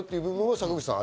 坂口さん。